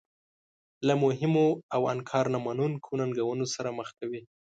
له مهمو او انکار نه منونکو ننګونو سره مخ کوي.